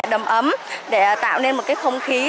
đầm ấm để tạo nên một không khí